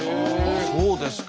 そうですか。